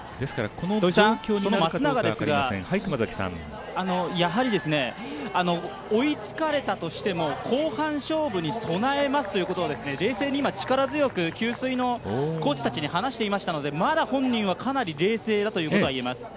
その松永ですが、やはり追いつかれたとしても後半勝負に備えますということを冷静に今、力強く給水のコーチたちに話していましたのでまだ本人はかなり冷静だということはいえます。